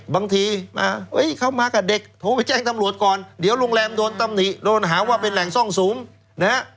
บางทีเขามากับเด็กโทรไปแจ้งตำรวจก่อนเดี๋ยวโรงแรมโดนตำหนิโดนหาว่าเป็นแหล่งซ่องสุมนะฮะ